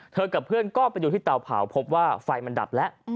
กับเพื่อนก็ไปดูที่เตาเผาพบว่าไฟมันดับแล้ว